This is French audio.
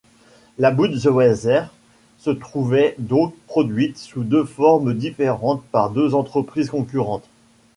La Budweiser se trouvait donc produite sous deux formes différentes par deux entreprises concurrentes.